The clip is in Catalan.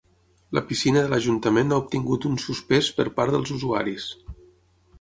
La piscina de l'Ajuntament ha obtingut un suspès per part dels usuaris.